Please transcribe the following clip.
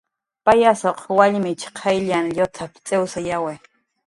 "Payasuq wallmich qayllanh llutap"" cx'iwsyawi"